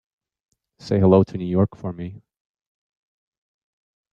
Say hello to New York for me.